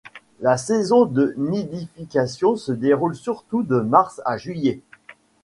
La saison de nidification se déroule surtout de mars à juillet.